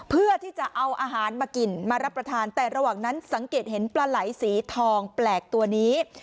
เพื่อที่จะเอาอาหารมากินมารับประทานแต่ระหว่างนั้นสังเกตเห็นปลาไหลสีทองแปลกตัวนี้